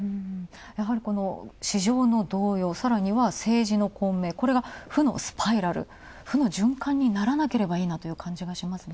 やはり、市場の同様さらには、政治の混迷、負のスパイラル負の循環にならなければいいなという感じがしますね。